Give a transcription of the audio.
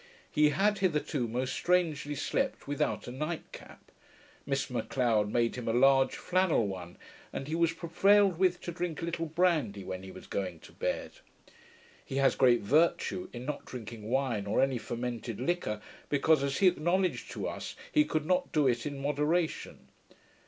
He had hitherto most strangely slept without a night cap. Miss M'Leod made him a large flannel one, and he was prevailed with to drink a little brandy when he was going to bed. He has great virtue, in not drinking wine or any fermented liquor, because, as he acknowledged to us, he could not do it in moderation.